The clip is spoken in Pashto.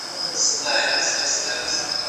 د رسول الله تندی به څنګه وو؟